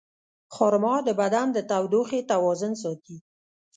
خرما د بدن د تودوخې توازن ساتي.